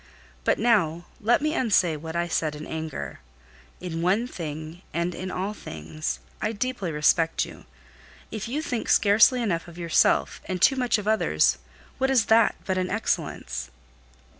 But now, let me unsay what I said in anger. In one thing, and in all things, I deeply respect you. If you think scarcely enough of yourself, and too much of others, what is that but an excellence?"